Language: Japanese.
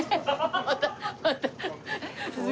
またまた。